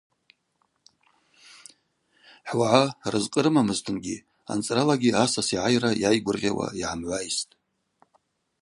Хӏуагӏа рызкъы рымамызтынгьи анцӏралагьи асас йгӏайра йайгвыргъьауа йгӏамгӏвайстӏ.